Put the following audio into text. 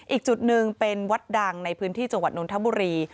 อีกจุดหนึ่งเป็นวัดดังในพื้นที่จังหวัดนทบุรี